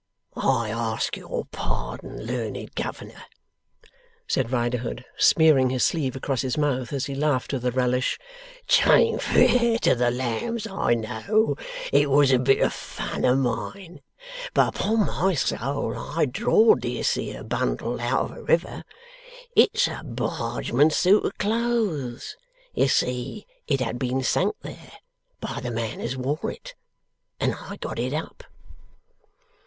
'I ask your pardon, learned governor,' said Riderhood, smearing his sleeve across his mouth as he laughed with a relish, 'tain't fair to the lambs, I know. It wos a bit of fun of mine. But upon my soul I drawed this here bundle out of a river! It's a Bargeman's suit of clothes. You see, it had been sunk there by the man as wore it, and I got it up.